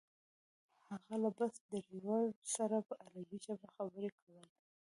هغه له بس ډریور سره په عربي ژبه خبرې کولې.